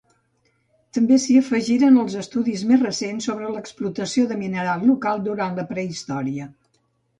També s’hi afegiren els estudis més recents sobre l'explotació de mineral local durant la prehistòria.